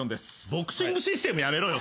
ボクシングシステムやめろよ。